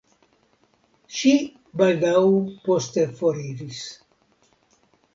Ŝi baldaŭ poste foriris.